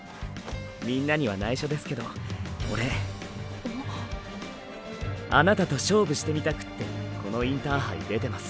みんなには内緒ですけどオレあなたと勝負してみたくってこのインターハイ出てます。